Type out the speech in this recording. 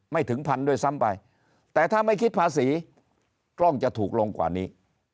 ถึงพันด้วยซ้ำไปแต่ถ้าไม่คิดภาษีกล้องจะถูกลงกว่านี้